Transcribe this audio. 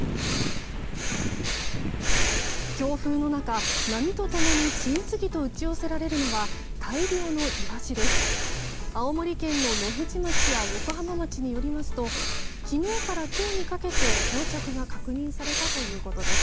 強風の中、波と共に次々と打ち寄せられるのは大量のイワシです。